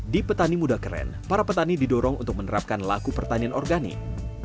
di petani muda keren para petani didorong untuk menerapkan laku pertanian organik